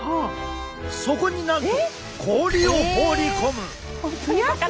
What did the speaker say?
そこになんと氷を放り込む！